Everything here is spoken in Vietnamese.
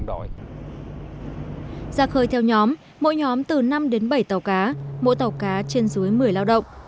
ra khơi theo nhóm mỗi nhóm từ năm đến bảy tàu cá mỗi tàu cá trên dưới một mươi lao động